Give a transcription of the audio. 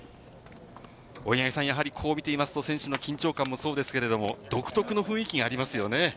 大八木さん、こう見てみますと選手の緊張感もそうですが、独特な雰囲気がありますね。